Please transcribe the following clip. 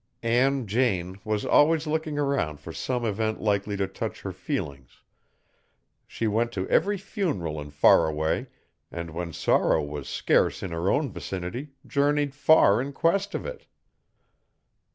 Ann Jane was always looking around for some event likely to touch her feelings. She went to every funeral in Faraway and, when sorrow was scarce in her own vicinity, journeyed far in quest of it.